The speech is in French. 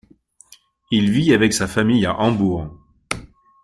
Il vit avec sa famille à Hambourg.